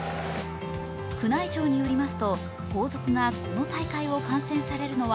宮内庁によりますと、皇族がこの大会を観戦されるのは